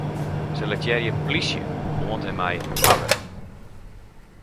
Selektearje 'plysje' oant en mei 'hawwe'.